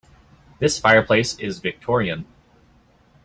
This fireplace is victorian.